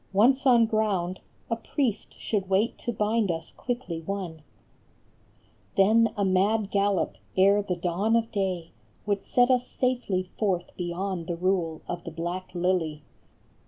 Once on ground A priest should wait to bind us quickly one. Then a mad gallop, ere the dawn of day, Would set us safely forth beyond the rule Of the Black Lily.